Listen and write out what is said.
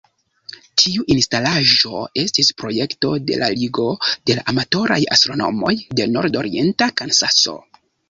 Tiu instalaĵo estis projekto de la Ligo de la Amatoraj Astronomoj de Nord-Orienta Kansaso.